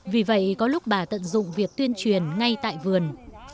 vì vậy có lúc bà tận dụng việc tuyên truyền ngay tại vườn